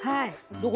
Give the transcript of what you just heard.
どこ？